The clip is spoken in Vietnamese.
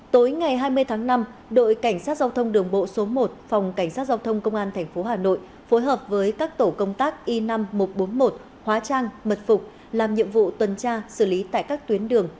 tối ngày hai mươi tháng năm đội cảnh sát giao thông đường bộ số một phòng cảnh sát giao thông công an tp hà nội phối hợp với các tổ công tác i năm nghìn một trăm bốn mươi một hóa trang mật phục làm nhiệm vụ tuần tra xử lý tại các tuyến đường